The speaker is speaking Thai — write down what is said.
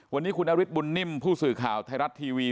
วันนี้คุณนฤทธบุญนิ่มผู้สื่อข่าวไทยรัฐทีวี